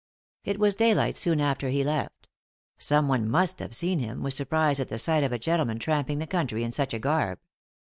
It was daylight soon after he left; someone most have seen him, with surprise at the sight of a gentleman tramping the country in such a garb.